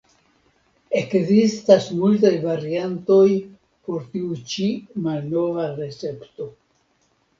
Ekzistas multaj variantoj por tiu ĉi malnova recepto.